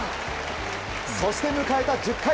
そして迎えた１０回。